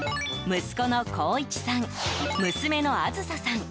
息子の孝一さん娘のあづささん。